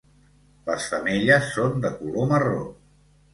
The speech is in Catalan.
Les femelles són de color marró.